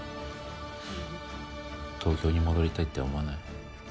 東京に戻りたいって思わない？